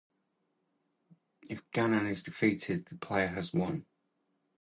If Ganon is defeated, the player has won.